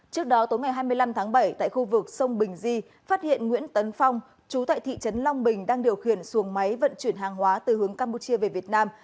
trước đó tối ngày hai mươi năm tháng bảy tại khu vực sông bình di phát hiện nguyễn tấn phong chú tại thị trấn long bình đang điều khiển xuồng máy vận chuyển hàng hóa từ hướng campuchia về việt nam